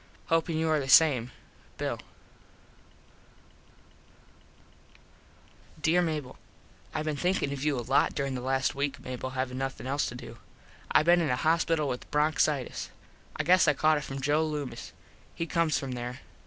Hoping you are the same Bill Dere Mable: I been thinkin of you a lot durin the last weak, Mable, havin nothin else to do. I been in the hospital with the Bronxitis. I guess I caught it from Joe Loomis. He comes from there.